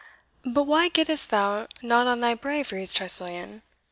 "But why gettest thou not on thy braveries, Tressilian?"